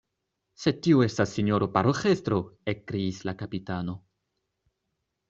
Sed tio estas sinjoro paroĥestro, ekkriis la kapitano.